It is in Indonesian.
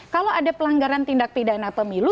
kalau ada pelanggaran tindak pidana pemilu